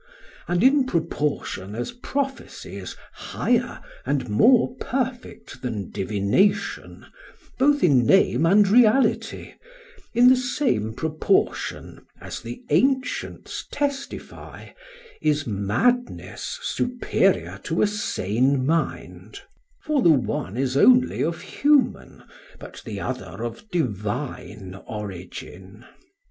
And in proportion as prophecy is higher and more perfect than divination both in name and reality, in the same proportion, as the ancients testify, is madness superior to a sane mind, for the one is only of human, but the other of divine origin." [Footnote: Plato, Phaedrus, 244. Jowett's translation.